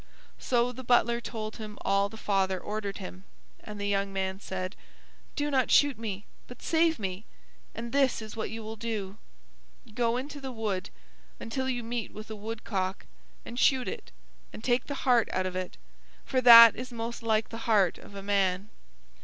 So the butler told him all the father ordered him; and the young man said, "Do not shoot me, but save me. And this is what you will do. Go into the wood until you meet with a woodcock, and shoot it, and take the heart out of it, for that is most like the heart of a man.